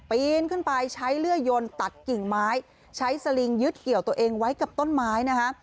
ปีนขึ้นไปใช้เลื่อยยนตัดกิ่งไม้ใช้สลิงยึดเกี่ยวตัวเองไว้กับต้นไม้นะคะ